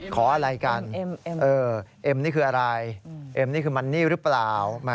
ขออะไรกันเอ็มนี่คืออะไรเอ็มนี่คือมันนี่หรือเปล่า